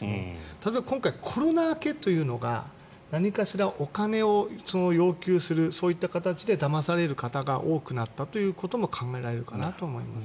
例えば今回コロナ明けというのが何かしらお金を要求するそういった形でだまされる方が多くなったということも考えられるかなと思います。